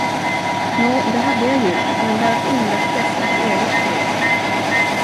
Nå det hade jag ju, men bara för invärtes och eget bruk.